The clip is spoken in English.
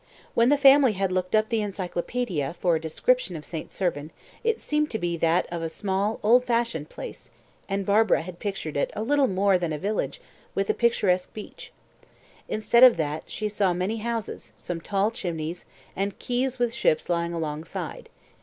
When the family had looked up the Encyclopaedia for a description of St. Servan, it seemed to be that of a small, old fashioned place, and Barbara had pictured it little more than a village with a picturesque beach. Instead of that, she saw many houses, some tall chimneys, and quays with ships lying alongside.